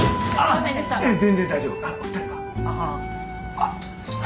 あっ！